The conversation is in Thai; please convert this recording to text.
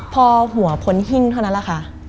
พอหัวพ้นหิ้งเท่านั้นแหละค่ะ